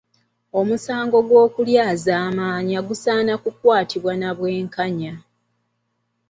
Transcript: Omusango gw’okulyazaamaanya gusaana kukwatibwa na bwenkanya